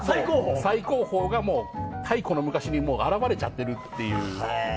最高峰が太古の昔に現れちゃってるという。